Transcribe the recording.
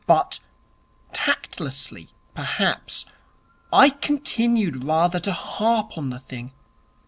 But, tactlessly perhaps, I continued rather to harp on the thing.